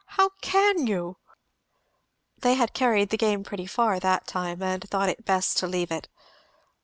How can you?" They had carried the game pretty far that time, and thought best to leave it.